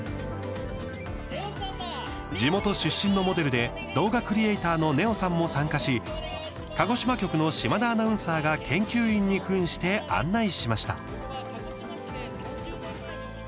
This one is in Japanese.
地元出身のモデルで動画クリエーターのねおさんも参加し鹿児島局の島田アナウンサーが研究員にふんして案内しました。